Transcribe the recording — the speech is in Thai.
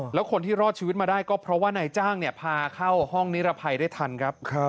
แล้วคนที่รอดชีวิตมาได้ก็เพราะว่านายจ้างพาเข้าห้องนิรภัยได้ทันครับ